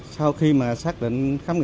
sau khi mà xác định khám phá